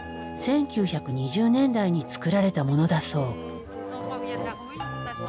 １９２０年代に作られたものだそう。